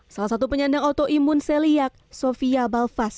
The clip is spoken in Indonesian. salah satu penyandang autoimun seliyak sofia balfas